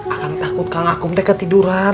akang takut kang akung ketiduran